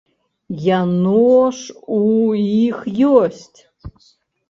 Яно ж у іх ёсць?